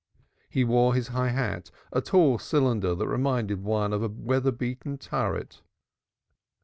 He wore his high hat a tall cylinder that reminded one of a weather beaten turret.